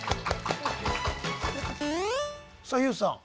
さあＹＯＵさん